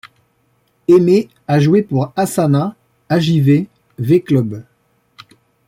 Aimé a joué pour Assana, Ajv, V Club.